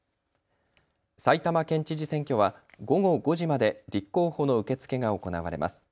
埼玉県知事選挙は午後５時まで立候補の受け付けが行われます。